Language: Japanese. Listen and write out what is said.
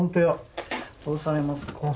どうされますか？